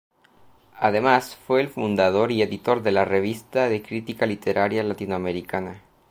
Además fue el fundador y editor de la "Revista de Crítica Literaria Latinoamericana".